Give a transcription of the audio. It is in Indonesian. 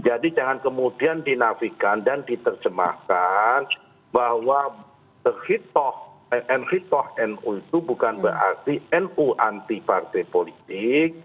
jadi jangan kemudian dinafikan dan diterjemahkan bahwa hitoh nu itu bukan berarti nu anti partai politik